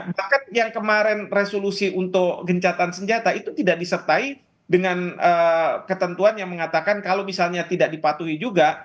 bahkan yang kemarin resolusi untuk gencatan senjata itu tidak disertai dengan ketentuan yang mengatakan kalau misalnya tidak dipatuhi juga